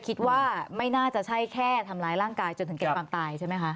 คิดว่าไม่น่าจะใช่แค่ทำร้ายร่างกายจนถึงแก่ความตายใช่ไหมคะ